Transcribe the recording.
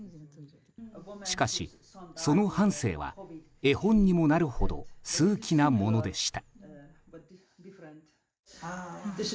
しかし、その半生は絵本にもなるほど数奇なものでした。